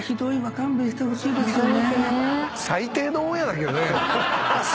勘弁してほしいですよね。